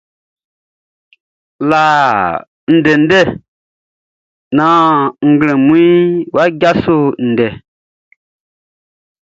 La ndɛndɛ naan nglɛmunʼn wʼa djaso ndɛndɛ.